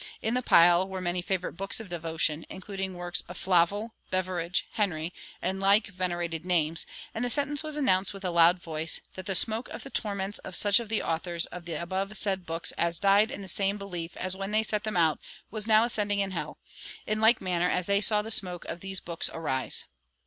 In the pile were many favorite books of devotion, including works of Flavel, Beveridge, Henry, and like venerated names, and the sentence was announced with a loud voice, "that the smoke of the torments of such of the authors of the above said books as died in the same belief as when they set them out was now ascending in hell, in like manner as they saw the smoke of these books arise."